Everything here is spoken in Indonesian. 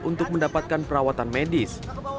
untuk mendapatkan perawatan medis